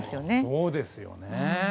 そうですよね。